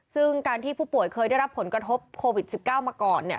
ซึ่งการที่ผู้ป่วยเคยได้รับผลกระทบโควิด๑๙มาก่อนเนี่ย